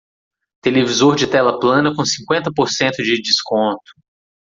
Televisor de tela plana com cinquenta por cento de desconto.